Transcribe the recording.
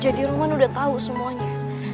jadi roman udah tau semuanya